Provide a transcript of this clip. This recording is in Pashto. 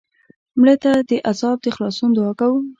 مړه ته د عذاب د خلاصون دعا کوو